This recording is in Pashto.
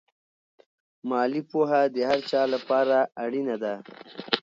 مالي پوهه د هر چا لپاره اړینه ده.